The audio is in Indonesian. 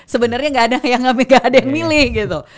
sebenarnya nggak ada yang milih gitu